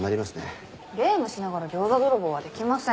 ゲームしながら餃子泥棒はできません。